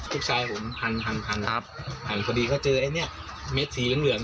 ลูกชายผมพันพันพันครับพันพอดีก็เจอไอ้เนี้ยเม็ดสีเหลืองเหลือง